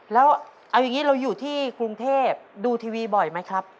แล้วเอาอย่างนี้เราอยู่ที่กรุงเทพดูทีวีบ่อยไหมครับ